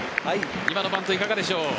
今のバント、いかがでしょう？